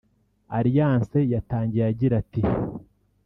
Alliance yatangiye agira ati